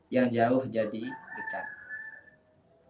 yang jauh jadi dekat